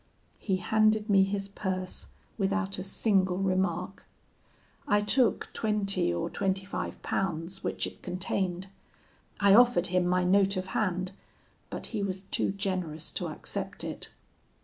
He handed me his purse, without a single remark. I took twenty or twenty five pounds, which it contained. I offered him my note of hand, but he was too generous to accept it.